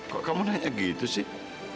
kok kamu nanya gitu sih